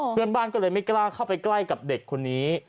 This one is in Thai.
เพื่อนบ้านก็เลยไม่กล้าเข้าไปใกล้กับเด็กคนนี้